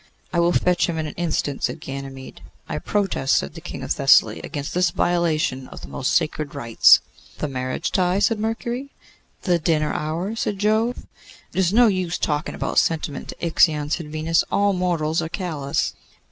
'I will fetch him in an instant,' said Ganymede. 'I protest,' said the King of Thessaly, 'against this violation of the most sacred rights.' 'The marriage tie?' said Mercury. 'The dinner hour?' said Jove. 'It is no use talking sentiment to Ixion,' said Venus; 'all mortals are callous.